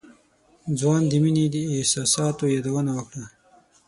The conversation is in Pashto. ځوان د مينې د احساساتو يادونه وکړه.